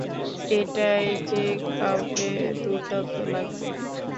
এটায় যে কাউকে দুর্দান্ত লাগবে।